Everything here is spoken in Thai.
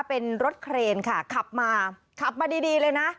เป็นรถเครนค่ะขับมาขับมาดีดีเลยนะ